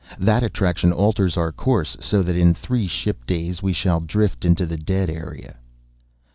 That attraction alters our course so that in three ship days we shall drift into the dead area."